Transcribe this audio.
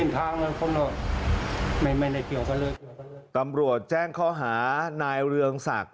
ตำรวจแจ้งข้อหานายเรืองศักดิ